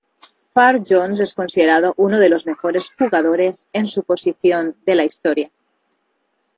Farr-Jones es considerado uno de los mejores jugadores en su posición de la historia.